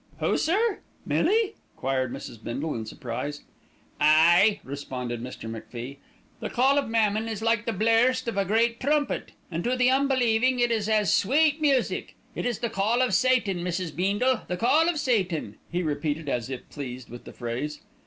"Who, sir, Millie?" queried Mrs. Bindle in surprise. "Aye!" responded Mr. MacFie. "The call of mammon is like the blairst of a great trumpet, and to the unbelieving it is as sweet music. It is the call of Satan, Mrs. Beendle, the call of Satan," he repeated, as if pleased with the phrase.